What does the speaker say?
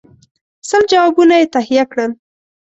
سل جوابونه یې تهیه کړل.